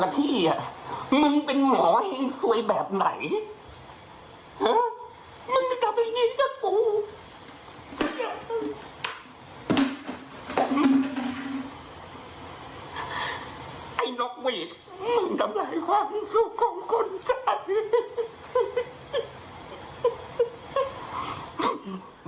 ไอ้นกเวทมึงกำไรความสุขของคนชั้น